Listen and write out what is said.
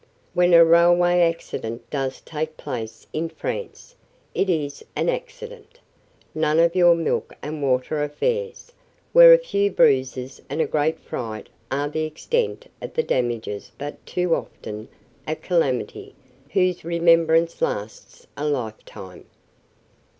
When a railway accident does take place in France, it is an accident. None of your milk and water affairs, where a few bruises and a great fright are the extent of the damages but too often a calamity whose remembrance lasts a lifetime.